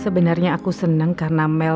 sebenernya aku seneng karena mel